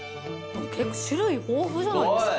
種類豊富じゃないですか。